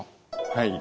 はい。